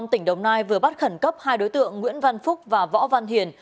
tỉnh đồng nai vừa bắt khẩn cấp hai đối tượng nguyễn văn phúc và võ văn hiền